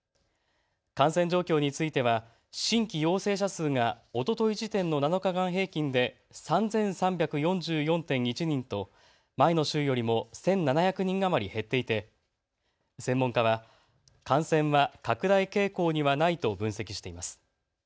感染状況については新規陽性者数がおととい時点の７日間平均で３３４４．１人と前の週よりも１７００人余り減っていて専門家は感染は拡大傾向にはないと分析しています。